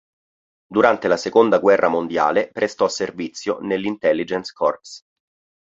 Durante la seconda guerra mondiale prestò servizio nell'Intelligence Corps.